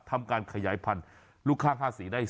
ทำการขยายพันธุ์ลูกข้าง๕สีได้